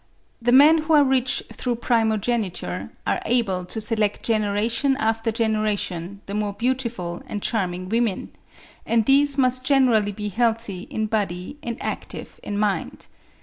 The men who are rich through primogeniture are able to select generation after generation the more beautiful and charming women; and these must generally be healthy in body and active in mind.